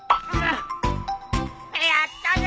やったぜ！